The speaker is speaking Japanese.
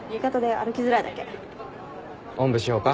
おんぶしようか？